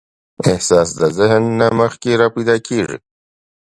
احساس د ذهن نه مخکې راپیدا کېږي.